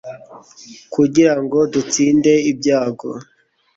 kugira ngo dutsinde ibyago